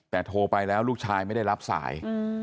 แต่โทรไปแล้วลูกชายไม่ได้รับสาย